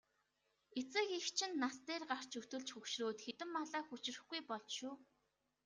Эцэг эх чинь нас дээр гарч өтөлж хөгшрөөд хэдэн малаа хүчрэхгүй болж шүү.